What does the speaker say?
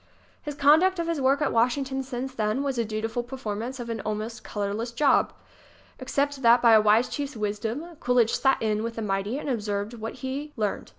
His conduct of his work at Washington since then was a dutiful performance of an almost colorless job ŌĆö except that by a wise chief's wisdom Coolidge "sat in" with the mighty and absorbed what he learned.